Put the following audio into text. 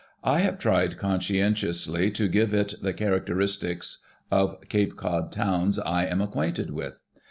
I have tried conscientiously to give it the character istics of Cape Cod towns I am acquainted with.